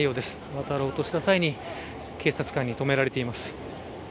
渡ろうとした際に警察官に止められています。